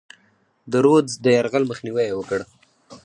د رودز د یرغل مخنیوی یې وکړ.